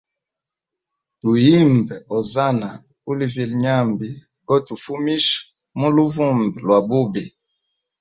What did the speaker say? Tu yimbe Ozana uli vilyenyambi gotufumisha muluvumbi lwa bubi.